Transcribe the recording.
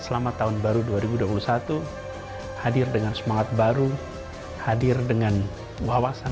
selamat tahun baru dua ribu dua puluh satu hadir dengan semangat baru hadir dengan wawasan